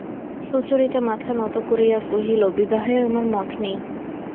সুচরিতা মাথা নত করিয়া কহিল, বিবাহে আমার মত নেই।